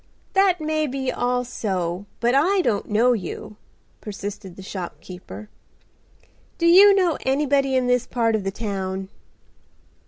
"That may be all so, but I don't know you," persisted the shopkeeper. "Do you know anybody in this part of the town?"